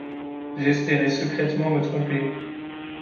J’espérais secrètement me tromper